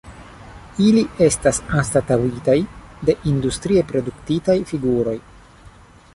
Ili estas anstataŭitaj de industrie produktitaj figuroj.